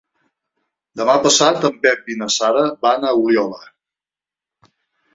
Demà passat en Pep i na Sara van a Oliola.